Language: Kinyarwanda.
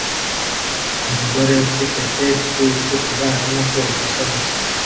Umugore ufite cape itukura arimo kogosha umusatsi